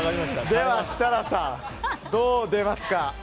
では設楽さん、どう出ますか？